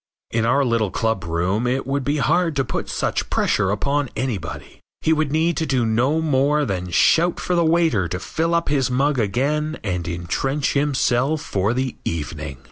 In our little club room it would be hard to put such pressure upon anybody. He would need to do no more than shout for the waiter to fill up his mug again and intrench himself for the evening.